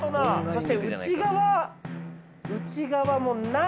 そして内側。